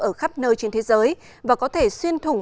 ở khắp nơi trên thế giới và có thể xuyên thủng